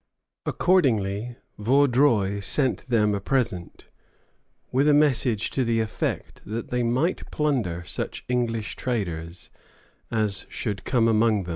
] Accordingly, Vaudreuil sent them a present, with a message to the effect that they might plunder such English traders as should come among them.